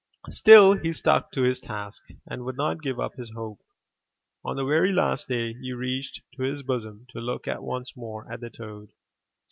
Still he stuck to his task and would not give up his hope. On the very last day he reached to his bosom to look once more at the toad.